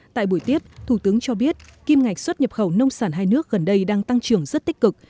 tại buổi tiếp thủ tướng cho biết kim ngạch xuất nhập khẩu nông sản hai nước gần đây đang tăng trưởng rất tích cực